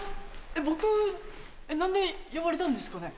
僕何で呼ばれたんですかね？